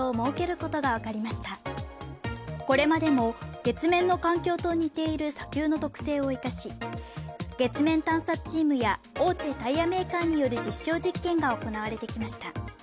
これまでの月面の環境と似ている砂丘の特性を生かし月面探査チームや大手タイヤメーカーによる実証実験が行われてきました。